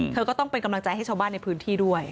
เธอก็ต้องเป็นกำลังใจให้ชาวบ้านในพื้นที่ด้วย